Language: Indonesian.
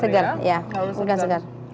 berarti ikannya harus segar iya